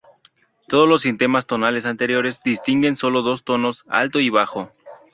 Todos los sistemas tonales anteriores distinguen sólo dos tonos: alto y bajo.